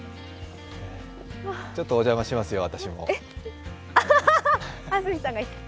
ちょっとお邪魔しますよ、私も。